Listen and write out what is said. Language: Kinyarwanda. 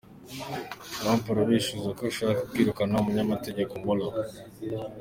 Trump arabeshuza ko ashaka kwirukana umunyamategeko Mueller.